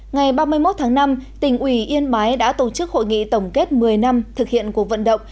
ngày ba mươi một tháng năm tỉnh ủy yên bái đã tổ chức hội nghị tổng kết một mươi năm thực hiện cuộc vận động